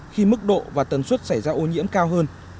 khi mức độ và tần suất xảy ra ô nhiễm cao hơn